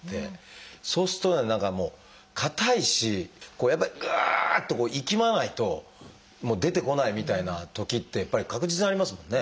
そうするとね何かもう硬いしやっぱりぐっといきまないともう出てこないみたいなときってやっぱり確実にありますもんね。